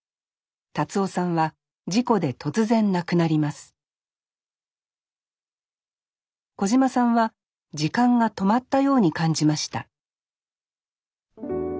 達男さんは事故で突然亡くなります小島さんは時間が止まったように感じました